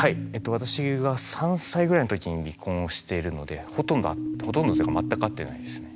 私が３歳ぐらいの時に離婚をしてるのでほとんどというか全く会ってないですね。